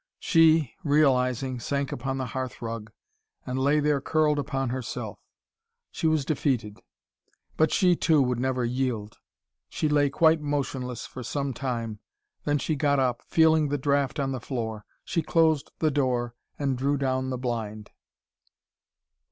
She, realising, sank upon the hearth rug and lay there curled upon herself. She was defeated. But she, too, would never yield. She lay quite motionless for some time. Then she got up, feeling the draught on the floor. She closed the door, and drew down the blind.